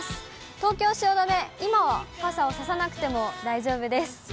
東京・汐留、今は傘を差さなくても大丈夫です。